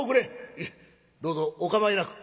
「いえどうぞお構いなく」。